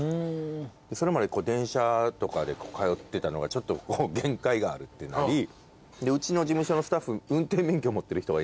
それまで電車とかで通ってたのがちょっと限界があるってなりうちの事務所のスタッフ。